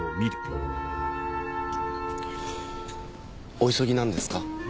お急ぎなんですか？